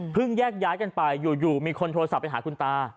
แยกย้ายกันไปอยู่มีคนโทรศัพท์ไปหาคุณตา